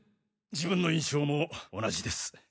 自分の印象も同じです。